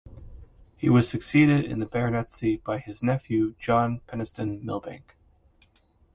He was succeeded in the baronetcy by his nephew John Penistone Milbanke.